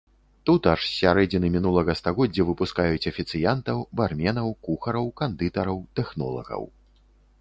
Тут аж з сярэдзіны мінулага стагоддзя выпускаюць афіцыянтаў, барменаў, кухараў, кандытараў, тэхнолагаў.